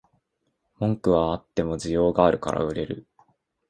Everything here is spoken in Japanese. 文句はあっても需要があるから売れる